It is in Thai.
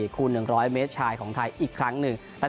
คูณ๑๐๐เมตรชายของไทยอีกครั้งหนึ่ง